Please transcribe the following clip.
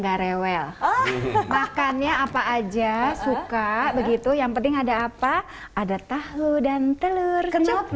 gak rewel makannya apa aja suka begitu yang penting ada apa ada tahu dan telur kenapa